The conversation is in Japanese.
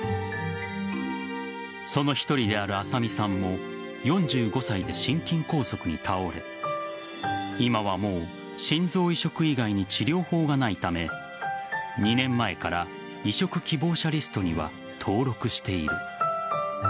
その一人である浅見さんも４５歳で心筋梗塞に倒れ今はもう心臓移植以外に治療法がないため２年前から移植希望者リストには登録している。